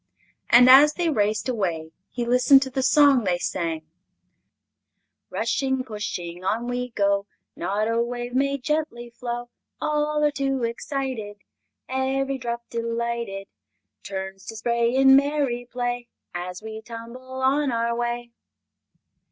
And as they raced away he listened to the song they sang: "Rushing, pushing, on we go! Not a wave may gently flow All are too excited. Ev'ry drop, delighted, Turns to spray in merry play As we tumble on our way!"